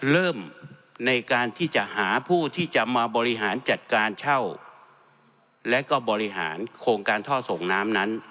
เริ่มในการที่จะหาผู้ที่จะมาบริหารจัดการเช่าและก็บริหารโครงการท่อส่งน้ำนั้น